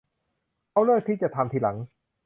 เขาเลือกที่จะทำทีหลัง